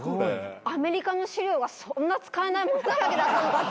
アメリカの資料がそんな使えないもんだらけだったのも。